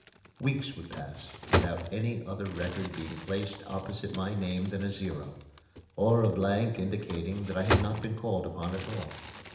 Weeks would pass without any other record being placed opposite my name than a zero, or a blank indicating that I had not been called upon at all.